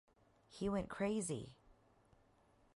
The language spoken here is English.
He went crazy!